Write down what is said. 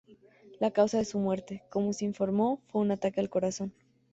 La causa de su muerte, como se informó, fue un ataque al corazón.